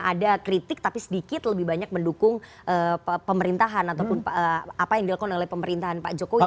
ada kritik tapi sedikit lebih banyak mendukung pemerintahan ataupun apa yang dilakukan oleh pemerintahan pak jokowi